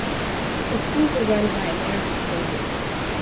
The Schools were run by American Quakers.